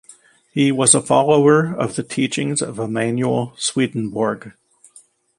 He was a follower of the teachings of Emanuel Swedenborg.